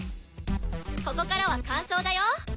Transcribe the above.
ここからは間奏だよ。